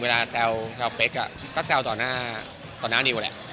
เวลาแซวต่อเต๊กตอนหน้านิวแหละ